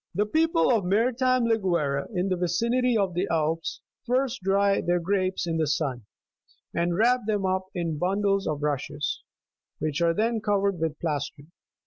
The people of maritime Liguria, in the vicinity of the Alps, first dry their grapes in the sun,40 and wrap them up in bundles of rushes, which are then covered with plaster.